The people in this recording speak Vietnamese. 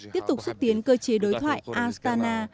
tiếp tục xuất tiến cơ chế đối thoại astana